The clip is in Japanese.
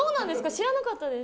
知らなかったです。